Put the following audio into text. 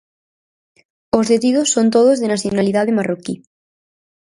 Os detidos son todos de nacionalidade marroquí.